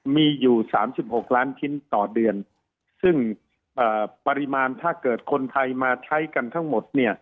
มีอยู่๓๖ล้านชิ้นต่อเดือนซึ่งปริมาณถ้าเกิดคนไทยมาใช้กันทั้งหมดเนี่ย